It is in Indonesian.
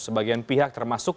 sebagian pihak termasuk